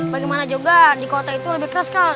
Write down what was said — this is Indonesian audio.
bagaimana juga di kota itu lebih keras kak